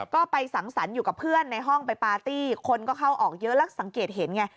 ก็ไปสังสรรค์อยู่กับเพื่อนในห้องไปปาร์ตี้คนก็เข้าออกเยอะแล้วสังเกตเห็นไง